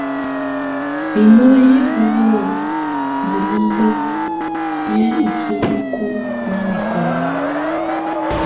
Hino hi buwǝ́ bulilǝ́ yɛ́ isǝ́luku nanɛkɔla.